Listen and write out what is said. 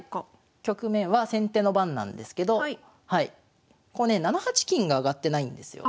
局面は先手の番なんですけど７八金が上がってないんですよ。